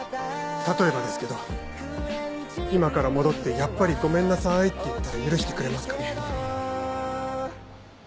例えばですけど今から戻って「やっぱりごめんなさい」って言ったら許してくれますかね？